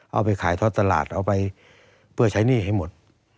เอาไปขายทอดตลาดเอาไปเพื่อใช้หนี้ให้หมด